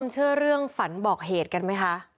เชื่อเรื่องฝันบอกเหตุกันไหมคะ